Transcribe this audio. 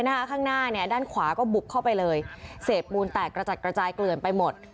แล้วนะคะข้างหน้าเนี้ยด้านขวาก็บุ๊บเข้าไปเลยเสพมูลแตกกระจัดกระจายเกลือนไปหมด